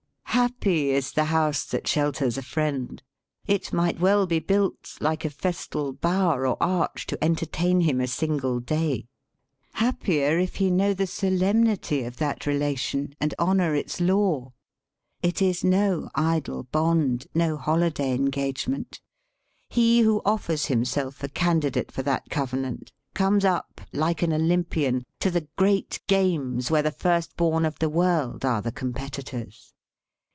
"Happy is the house that shelters a friend! Jt might well be built, like a festal bower or 103 J) Oft^MLX * \U^> J* ^ THE ESSAY arch, to entertain him a single day. Happier, if he know the solemnity of that relation and honor its law! It is no idle bond, no holiday en gagement. He who offers himself a candidate for that covenant comes up, like an Olympian, to the great games where the first born of the world are the competitors.